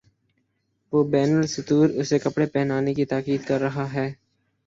وہ بین السطور اسے کپڑے پہنانے کی تاکید کر رہا ہے۔